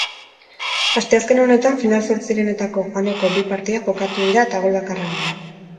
Asteazken honetan final-zortzirenetako joaneko bi partida jokatu dira eta gol bakarra egon da.